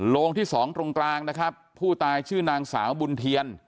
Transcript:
โรงที่สองตรงกลางนะครับผู้ตายชื่อนางสาวบุญเทียน